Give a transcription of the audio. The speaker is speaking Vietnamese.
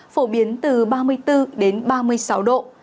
phổ biến từ ba mươi bốn đến ba mươi sáu độ